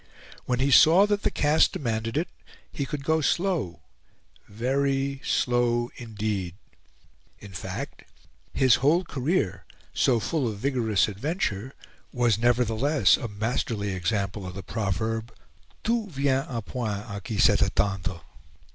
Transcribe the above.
When he saw that the cast demanded it, he could go slow very slow indeed in fact, his whole career, so full of vigorous adventure, was nevertheless a masterly example of the proverb, "tout vient a point a qui sait attendre."